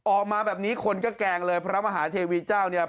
ออกมาแบบนี้คนก็แกล้งเลยพระมหาเทวีเจ้าเนี่ย